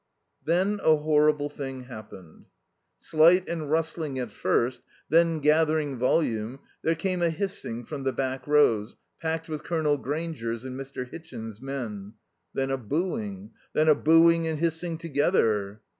Then a horrible thing happened. Slight and rustling at first, then gathering volume, there came a hissing from the back rows packed with Colonel Grainger's and Mr. Hitchin's men. Then a booing. Then a booing and hissing together.